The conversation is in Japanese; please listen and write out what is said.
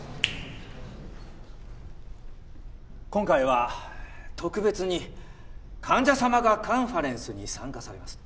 今回は特別に患者様がカンファレンスに参加されます。